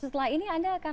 setelah ini rio akan